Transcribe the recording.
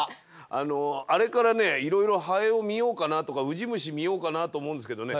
あのあれからねいろいろハエを見ようかなとかウジ虫見ようかなと思うんですけどね